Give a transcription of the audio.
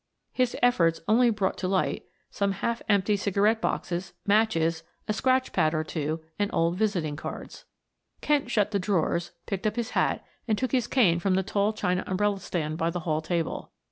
His efforts only brought to light some half empty cigarette boxes, matches, a scratch pad or two, and old visiting cards. Kent shut the drawers, picked up his hat, and took his cane from the tall china umbrella stand by the hall table.